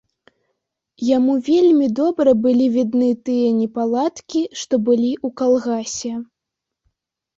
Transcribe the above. Яму вельмі добра былі відны тыя непаладкі, што былі ў калгасе.